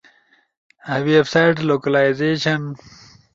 ویب سائٹ لوکلائزیشن